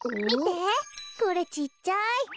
みてこれちっちゃい。